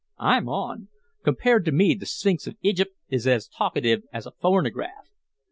"I'm on! Compared to me the Spinks of Egyp' is as talkative as a phonograph."